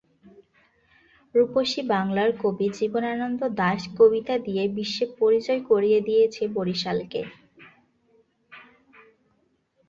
রূপসী বাংলার কবি জীবনানন্দ দাশ কবিতা দিয়ে বিশ্বে পরিচয় করিয়ে দিয়েছে বরিশালকে।